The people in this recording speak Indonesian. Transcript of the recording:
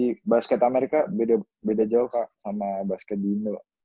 di basket amerika beda jauh kak sama basket dino